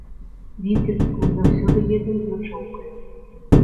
Віцебск мы заўсёды едзем з начоўкай.